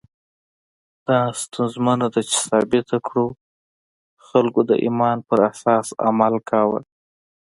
دا ستونزمنه ده چې ثابته کړو خلکو د ایمان پر اساس عمل کاوه.